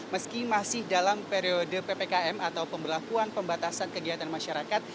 meski masih dalam periode ppkm atau pemberlakuan pembatasan kegiatan masyarakat